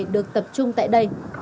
được tập trung tại đây